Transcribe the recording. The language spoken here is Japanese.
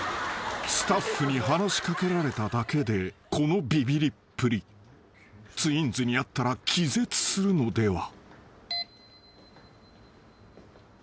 ［スタッフに話し掛けられただけでこのビビりっぷり］［ツインズに会ったら気絶するのでは］